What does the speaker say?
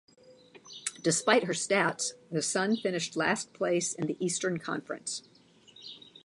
Despite her stats, the Sun finished last place in the Eastern Conference.